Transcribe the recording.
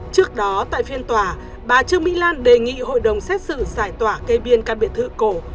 trước đó tại phiên tòa bà trương mỹ lan đề nghị hội đồng xét xử giải tỏa cây biên căn biệt thự cổ